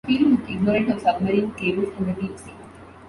Field was ignorant of submarine cables and the deep sea.